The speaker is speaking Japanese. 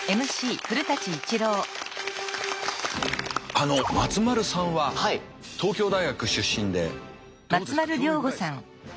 あの松丸さんは東京大学出身でどうですか？